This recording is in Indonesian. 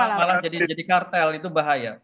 nenek merah merah malah jadi kartel itu bahaya